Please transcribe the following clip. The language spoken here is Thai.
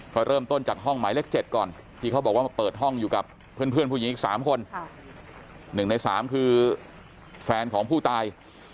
พอเริ่มต้นจากห้องหมายเลข๗ก่อนที่เขาบอกว่ามาเปิดห้องอยู่กับเพื่อนผู้หญิงอีก๓คน๑ใน๓คือแฟนของผู้ตาย